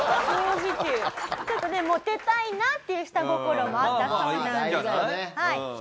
ちょっとねモテたいなっていう下心もあったそうなんです。